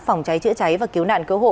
phòng cháy chữa cháy và cứu nạn cứu hộ